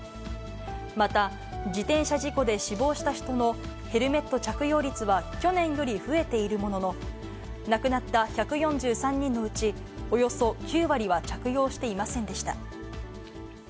また、自転車事故で死亡した人のヘルメット着用率は去年より増えているものの、亡くなった１４３人のうち、およそ９割は着用していませんでした。